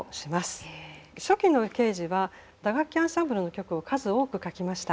初期のケージは打楽器アンサンブルの曲を数多く書きました。